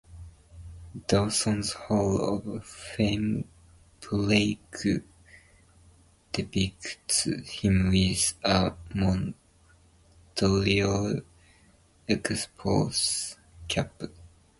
Dawson's Hall of Fame plaque depicts him with a Montreal Expos cap.